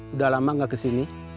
udah lama gak kesini